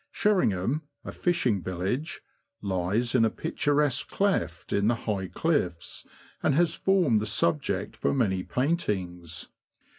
Sherringham, a fishing village, lies in a picturesque cleft in the high cliffs, and has formed the subject for many paintings.